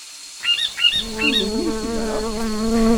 D mmi-tneɣ.